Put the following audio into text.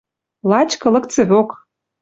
Лач кылык цӹвок...